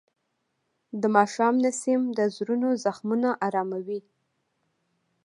د ماښام نسیم د زړونو زخمونه آراموي.